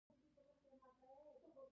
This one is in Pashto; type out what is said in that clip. د زابل په اتغر کې څه شی شته؟